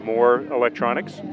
thì rất là quan trọng